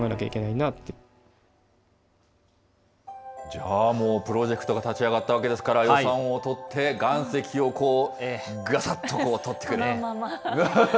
じゃあもう、プロジェクトが立ち上がったわけですから、予算を取って、岩石をこう、まあまあまあ。